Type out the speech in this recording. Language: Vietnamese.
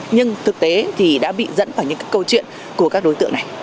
nhưng thực tế thì đã bị dẫn vào những câu chuyện của các đối tượng này